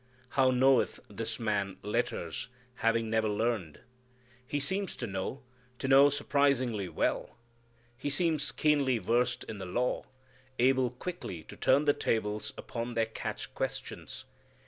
How knoweth this man letters, having never learned! He seems to know, to know surprisingly well. He seems keenly versed in the law, able quickly to turn the tables upon their catch questions.